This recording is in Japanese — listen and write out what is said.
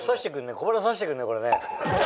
小腹さしてくんねこれね。